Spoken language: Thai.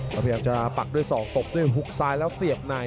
แล้วพยายามจะปักด้วยศอกตบด้วยฮุกซ้ายแล้วเสียบใน